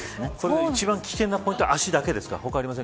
一番危険なポイントは足だけですか。